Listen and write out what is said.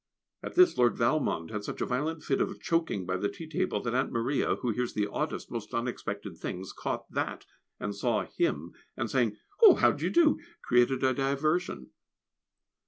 At this, Lord Valmond had such a violent fit of choking by the tea table, that Aunt Maria, who hears the oddest, most unexpected things, caught that, and saw him, and saying, "Howd' ye do?" created a diversion.